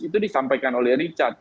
itu disampaikan oleh richard